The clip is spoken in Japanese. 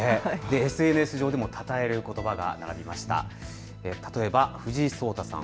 ＳＮＳ上でもたたえることばがありました。